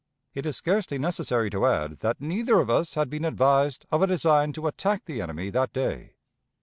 It is scarcely necessary to add that neither of us had been advised of a design to attack the enemy that day.